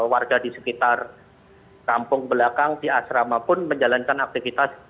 warga di sekitar kampung belakang di asrama pun menjalankan aktivitas